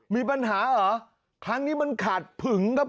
มีปัญหาเหรอครั้งนี้มันขาดผึงครับ